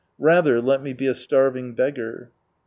Rather let me be a starving beggar.'